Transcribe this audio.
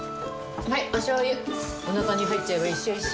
はいお醤油おなかに入っちゃえば一緒一緒。